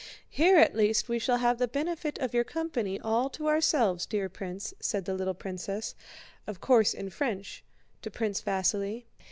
"Here at least we shall have the benefit of your company all to ourselves, dear prince," said the little princess (of course, in French) to Prince Vasíli.